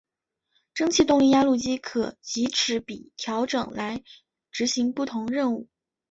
蒸气动力压路机可藉齿比调整来执行不同任务。